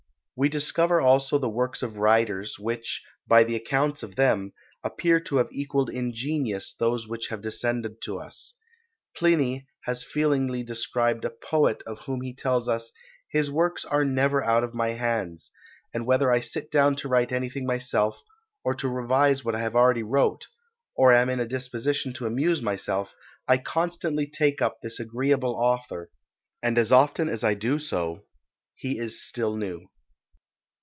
We discover also the works of writers, which, by the accounts of them, appear to have equalled in genius those which have descended to us. Pliny has feelingly described a poet of whom he tells us, "his works are never out of my hands; and whether I sit down to write anything myself, or to revise what I have already wrote, or am in a disposition to amuse myself, I constantly take up this agreeable author; and as often as I do so, he is still new."